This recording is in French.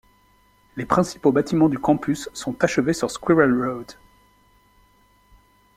Les principaux bâtiments du campus sont achevés sur Squirrel Road.